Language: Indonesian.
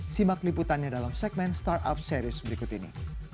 simak liputannya dalam segmen startup series berikut ini